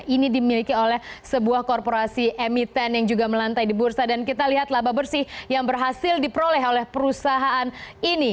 ini dimiliki oleh sebuah korporasi emiten yang juga melantai di bursa dan kita lihat laba bersih yang berhasil diperoleh oleh perusahaan ini